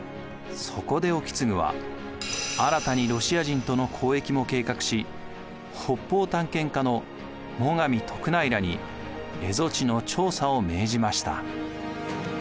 そこで意次は新たにロシア人との交易も計画し北方探検家の最上徳内らに蝦夷地の調査を命じました。